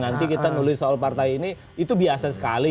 nanti kita nulis soal partai ini itu biasa sekali